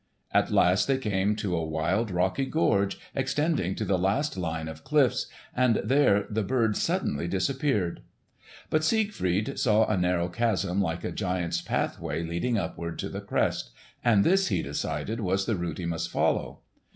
At last they came to a wild rocky gorge, extending to the last line of cliffs, and there the bird suddenly disappeared. But Siegfried saw a narrow chasm like a giant's pathway leading upward to the crest, and this, he decided, was the route he must follow.